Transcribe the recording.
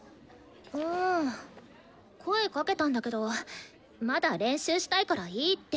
うん声かけたんだけどまだ練習したいからいいって。